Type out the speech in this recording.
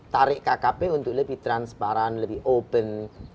tarik kkp untuk lebih transparan lebih open